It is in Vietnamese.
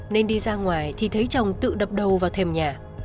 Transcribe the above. nên đi ra ngoài thì thấy chồng tự đập đầu vào thềm nhà